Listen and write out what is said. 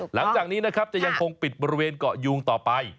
หลังจากนี้นะครับจะยังคงปิดบริเวณเกาะยูงต่อไป